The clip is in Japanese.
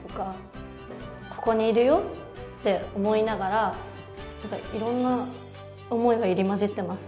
「此処にいるよ」って思いながらいろんな思いが入り交じってます